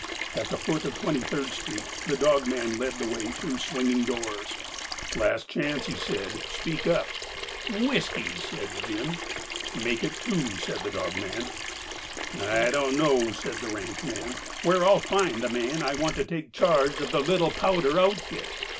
At the foot of Twenty third Street the dogman led the way through swinging doors. "Last chance," said he. "Speak up." "Whiskey," said Jim. "Make it two," said the dogman. "I don't know," said the ranchman, "where I'll find the man I want to take charge of the Little Powder outfit.